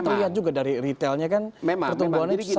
kan terlihat juga dari retailnya kan pertumbuhannya sangat tinggi